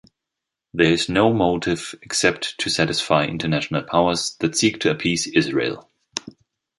There is no motive except to satisfy international powers that seek to appease Israel.